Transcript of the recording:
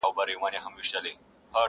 o پلار ویله څارنوال ته نه پوهېږي,